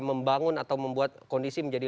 membangun atau membuat kondisi menjadi